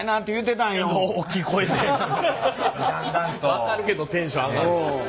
分かるけどテンション上がんの。